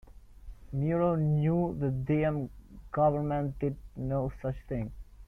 Murrow knew the Diem government did no such thing.